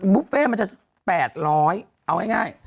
บุฟเฟ่มันจะ๘๐๐เอาง่าย